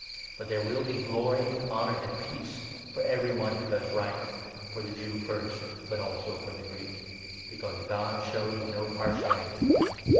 But there will be glory, honour, and peace for 10 every one who does right — for the Jew first, but also for the Greek, since God shows no partiality.